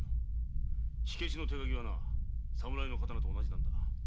火消しの手鉤はな侍の刀と同じなんだ。